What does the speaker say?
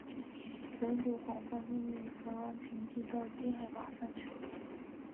本种广泛分布在台湾平地到低海拔山区。